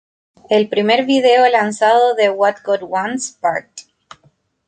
El primer video lanzado de "What God Wants, Pt.